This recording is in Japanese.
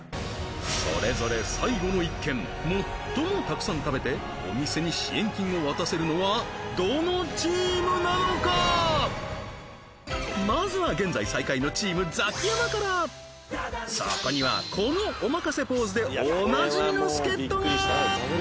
それぞれ最後の１軒最もたくさん食べてお店に支援金を渡せるのはどのチームなのかまずは現在最下位のチームザキヤマからそこにはこのおまかせポーズでおなじみの助っ人が！